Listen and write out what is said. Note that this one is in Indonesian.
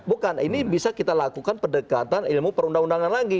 bukan ini bisa kita lakukan pendekatan ilmu perundang undangan lagi